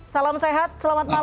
salam sehat selamat malam